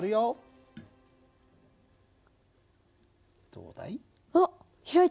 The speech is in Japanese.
どうだい？